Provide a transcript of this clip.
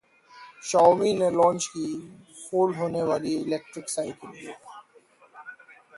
Xiaomi ने launch की fold होने वाली इलेक्ट्रिक साइकिल